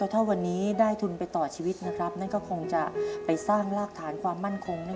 เท่าวันนี้ได้ทุนไปต่อชีวิตคงจะไปสร้างรากฐานความมั่นคง